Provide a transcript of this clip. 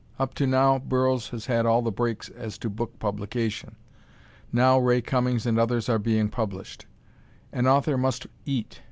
Up to now, Burroughs has had all the breaks as to book publication. Now Ray Cummings and others are being published. "An author must eat."